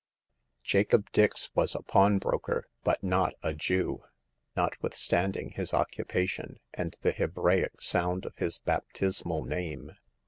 Jacob Dix was a pawnbroker, but not a Jew, notwithstanding his occupation and the Hebraic sound of his baptismal name.